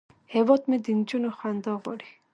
هیواد مې د نجونو خندا غواړي